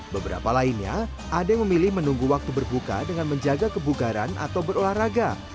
beberapa lainnya ada yang memilih menunggu waktu berbuka dengan menjaga kebugaran atau berolahraga